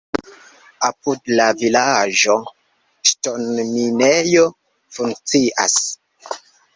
Apud la vilaĝo ŝtonminejo funkcias.